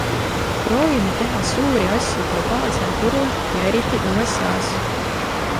Proovime teha suuri asju globaalsel turul ja eriti USAs.